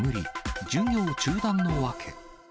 授業中断の訳。